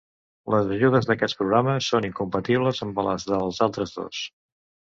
Les ajudes d’aquest programa són incompatibles amb les dels altres dos.